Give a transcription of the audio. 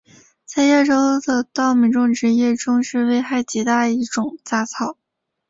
在亚洲的稻米种植业中是危害极大的一种杂草。